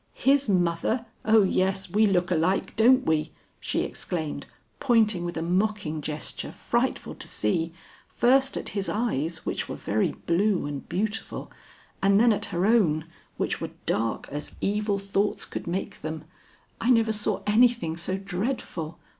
'His mother! O yes, we look alike, don't we!' she exclaimed, pointing with a mocking gesture frightful to see, first at his eyes which were very blue and beautiful, and then at her own which were dark as evil thoughts could make them. I never saw anything so dreadful.